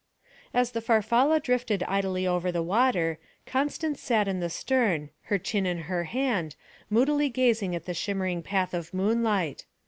As the Farfalla drifted idly over the water, Constance sat in the stern, her chin in her hand, moodily gazing at the shimmering path of moonlight.